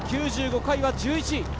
９５回は１１位。